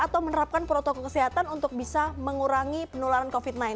atau menerapkan protokol kesehatan untuk bisa mengurangi penularan covid sembilan belas